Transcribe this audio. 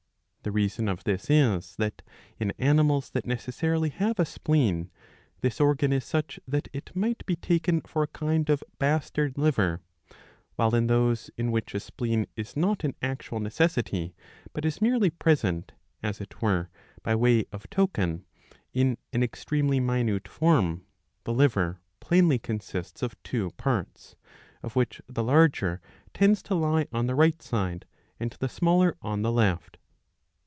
The reason of this is, that, in animals that necessarily have a spleen,* this organ is such that it might be taken for a kind of bastard liver ; while in those, in which a spleen is not an actual necessity but is merely present, as it were, by way of token, in an extremely minute form, the liver plainly consists of two parts ; of which the larger tends to lie 669 b. 111. 7. 77 on the right side and the smaller on the left.